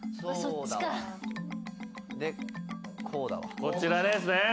こちらですね。